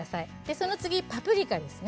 その次、パプリカです。